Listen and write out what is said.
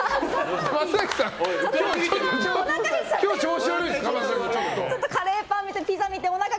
松崎さん、今日調子悪いですか。